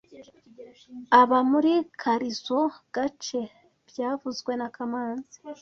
Aba muri karizoa gace byavuzwe na kamanzi